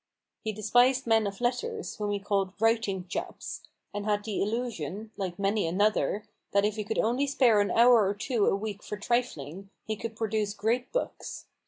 He despised men of letters, whom he called "writing chaps," and had the illusion (like many another !) that if he could only spare an hour HUGO RAVENS HAND, I47 » or two a week for trifling, he could produce great books.